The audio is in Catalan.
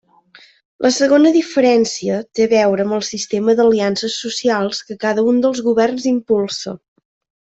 La segona diferència té a veure amb el sistema d'aliances socials que cada un dels governs impulsa.